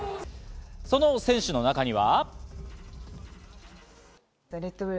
その選手の中には。